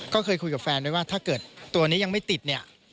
ก็เคยคุยกับแฟนไว้ว่าถ้าเกิดตัวนี้ยังไม่ติดเนี่ย